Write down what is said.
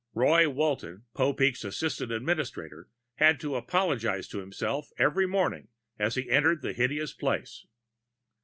Roy Walton, Popeek's assistant administrator, had to apologize to himself each morning as he entered the hideous place.